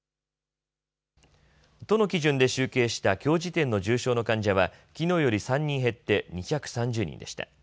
都の基準で集計したきょう時点の重症の患者はきのうより３人減って２３０人でした。